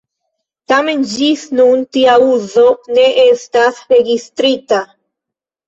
Tamen ĝis nun tia uzo ne estas registrita.